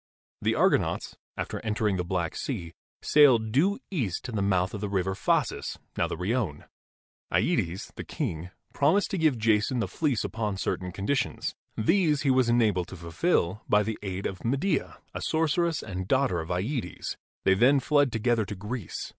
The Argonauts, after entering the Black Sea, sailed due east to the mouth of the River Phasis, now the Rione. TEtes, the king, promised to give Jason the fleece upon certain conditions. These he was enabled to fulfil by the aid of Medea, a sorceress and daughter of yEtes. They then fled together to Greece.